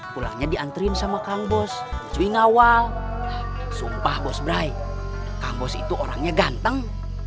pulangnya diantriin sama kang bos cuing awal sumpah bos brai kang bos itu orangnya ganteng